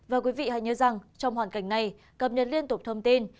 và quý vị hãy nhớ rằng trong hoàn cảnh này cập nhật liên tục thông tin